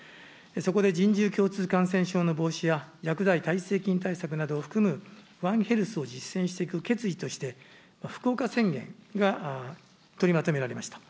そこで人獣共通感染症の防止や薬剤耐性菌対策などを含む、ワンヘルスを実践していく決意として、福岡宣言が取りまとめられました。